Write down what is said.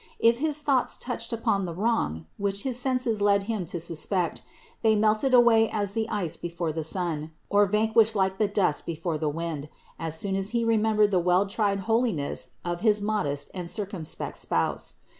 If his thoughts touched upon the wrong, which his senses led him to sus pect, they melted away as the ice before the sun, or van ished like the dust before the wind, as soon as he remem bered the well tried holiness of his modest and circum spect Spouse.